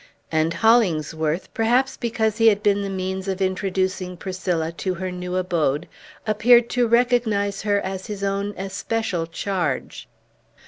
And Hollingsworth perhaps because he had been the means of introducing Priscilla to her new abode appeared to recognize her as his own especial charge.